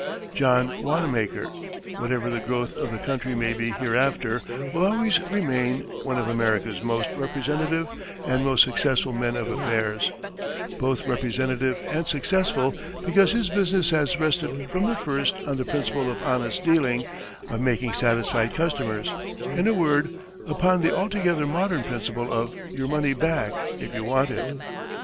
John Wanamaker, whatever the growth of the country may be hereafter, will always remain one of America's most representative and most successful men of affairs both representative and successful because his business has rested from the first on the principle of honest dealing, of making satisfied customers in a word, upon the altogether modern principle of "your money back, if you want it."